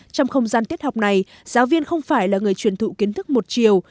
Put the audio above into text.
trong không gian tiết học này giáo viên không phải là người truyền thụ kiến thức một chiều